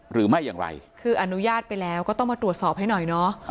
หรือไม่อย่างไรคืออนุญาตไปแล้วก็ต้องมาตรวจสอบให้หน่อยเนาะ